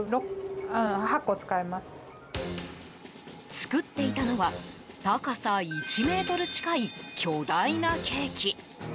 作っていたのは高さ１ｍ近い巨大なケーキ。